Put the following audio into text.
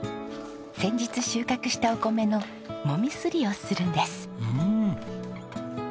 先日収穫したお米のもみすりをするんです。